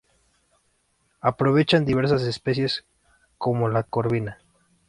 Aprovechaban diversas especies, como la corvina.